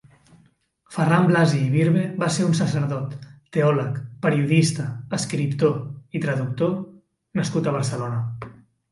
Ferran Blasi i Birbe va ser un sacerdot, teòleg, periodista, escriptor i traductor nascut a Barcelona.